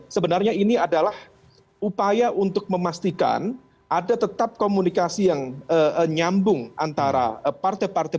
sebenarnya ini adalah upaya untuk memastikan ada tetap komunikasi yang nyambung antara partai partai